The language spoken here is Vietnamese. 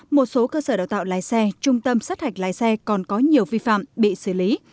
một số cơ sở đào tạo lái xe trung tâm sát hạch lái xe còn có nhiều vi phạm bị xử lý